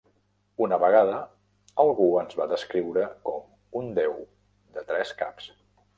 Una vegada algú ens va descriure com un déu de tres caps.